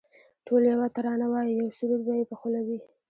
ټول یوه ترانه وایی یو سرود به یې په خوله وي